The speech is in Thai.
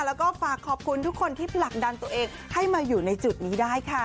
แล้วก็ฝากขอบคุณทุกคนที่ผลักดันตัวเองให้มาอยู่ในจุดนี้ได้ค่ะ